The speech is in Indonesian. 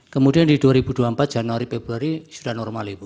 kemudian di dua ribu dua puluh empat januari februari sudah normal ibu